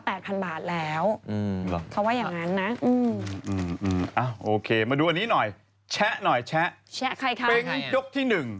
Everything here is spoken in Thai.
เปลวกที่๑